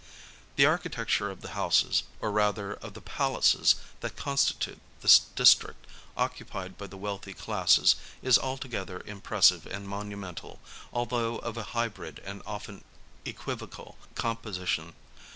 The architecture of the houses, or rather of the palaces that constitute this district, occupied by the wealthy classes, is altogether impressive and' monumental, although of a hybrid and often equivocal composition.